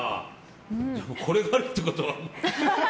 これがあるってことは。